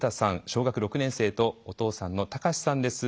小学６年生とお父さんの崇さんです